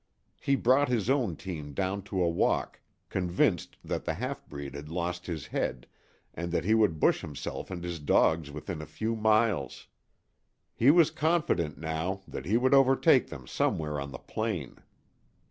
He brought his own team down to a walk, convinced that the half breed had lost his head, and that he would bush himself and his dogs within a few miles. He was confident, now that he would overtake them somewhere on the plain.